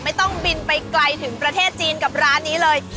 ไม่ต้องบินไปไกลถึงประเทศจีนกับร้านนี้เลย